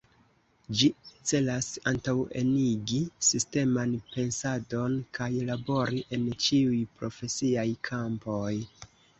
Ĝi celas antaŭenigi sisteman pensadon kaj labori en ĉiuj profesiaj kampoj.